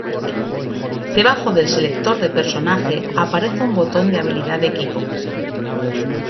Debajo del selector de personaje aparece un botón de habilidad de equipo.